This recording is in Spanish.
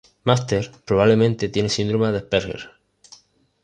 Masters probablemente tiene síndrome de Asperger.